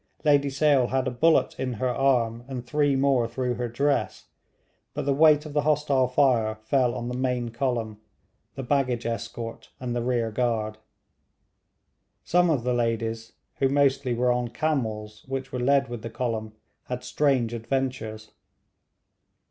Lady Sale had a bullet in her arm, and three more through her dress. But the weight of the hostile fire fell on the main column, the baggage escort, and the rear guard. Some of the ladies, who mostly were on camels which were led with the column, had strange adventures.